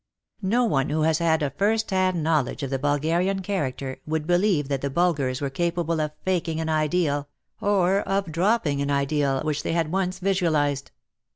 No one who has had a first hand knowledge of the Bulgarian character, would believe that the Bulgars were capable of faking an ideal or of dropping an ideal which they had once visual ized.